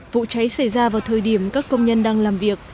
vụ cháy xảy ra vào thời điểm các công nhân đang làm việc